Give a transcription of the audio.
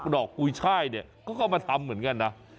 ดอกกุ้ยช่ายเขาก็มาทำเหมือนกันนะ